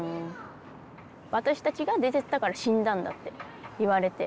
私たちが出てったから死んだんだって言われて。